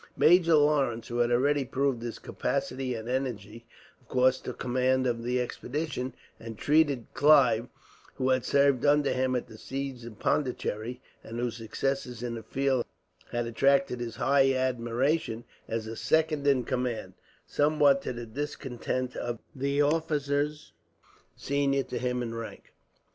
Major Lawrence, who had already proved his capacity and energy, of course took command of the expedition; and treated Clive, who had served under him at the siege of Pondicherry, and whose successes in the field had attracted his high admiration, as second in command, somewhat to the discontent of the officers senior to him in rank.